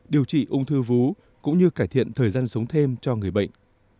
điều trị ung thư vú cũng như cải thiện thời gian sống thêm cho người bệnh